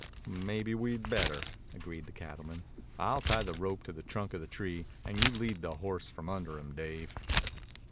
"Maybe we'd better," agreed the cattleman. "I'll tie the rope to the trunk of the tree and you lead the horse from under him, Dave."